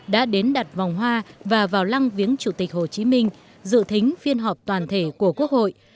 đã đến đặt vòng hoa và vào lăng viếng chủ tịch hồ chí minh dự thính phiên họp toàn thể của quốc hội